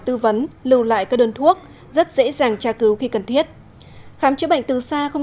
tư vấn lưu lại các đơn thuốc rất dễ dàng tra cứu khi cần thiết khám chữa bệnh từ xa không